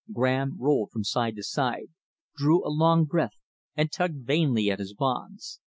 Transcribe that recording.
Graham rolled from side to side, drew a long breath, and tugged vainly at his bonds.